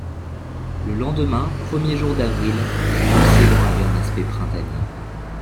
Le lendemain, premier jour d’avril, l’océan avait un aspect printanier.